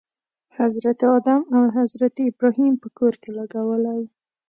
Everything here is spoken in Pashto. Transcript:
حضرت آدم او حضرت ابراهیم په کور کې لګولی.